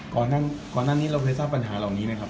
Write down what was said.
ก่อนหน้านี้เราเคยทราบปัญหาเหล่านี้นะครับ